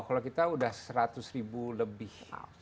kalau kita sudah seratus ribu lebih